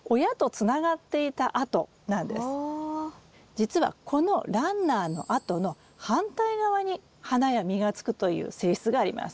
じつはこのランナーの跡の反対側に花や実がつくという性質があります。